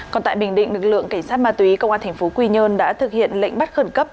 còn tại bình định lực lượng cảnh sát ma túy công an thành phố quy nhơn đã thực hiện lệnh bắt khẩn cấp